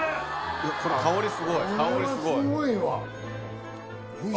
香りすごい。